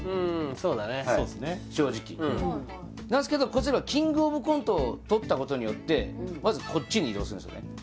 そうっすね正直なんすけどこいつらはキングオブコントをとったことによってまずこっちに移動するんですよね